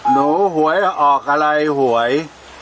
เนาะนะโหเข้าออกอะไรห่วย